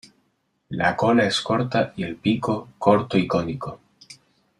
La cola es corta y el pico, corto y cónico.